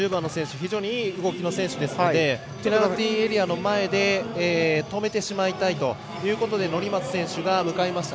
非常にいい動きの選手なのでペナルティーエリアの手前で止めてしまいたいということで乗松選手が出ていきました。